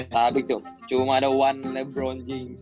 tapi tuh cuma ada one lebron james